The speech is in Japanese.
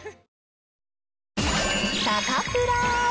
サタプラ。